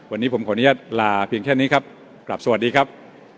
วันนี้ผมขออนุญาตลาเพียงแค่นี้ครับกลับสวัสดีครับ